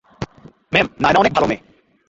Ma'am, Naina অনেক ভালো মেয়ে।